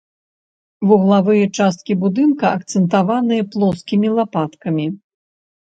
Вуглавыя часткі будынка акцэнтаваныя плоскімі лапаткамі.